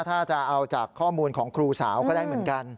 ถ้าจะเอาจากข้อมูลของครูสาวก็ได้เหมือนกัน